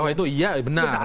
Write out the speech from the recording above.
bahwa itu iya benar